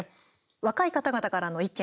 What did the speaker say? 若い方々からの意見